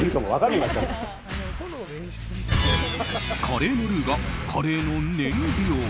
カレーのルーがカレーの燃料。